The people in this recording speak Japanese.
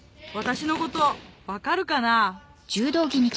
私のこと分かるかな？